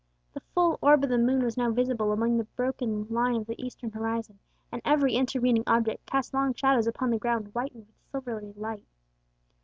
The full orb of the moon was now visible above the broken line of the eastern horizon, and every intervening object cast long shadows upon the ground whitened with silvery light.